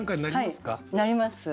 なります。